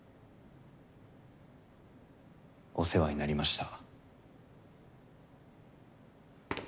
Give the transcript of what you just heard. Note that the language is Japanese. お世話になりました。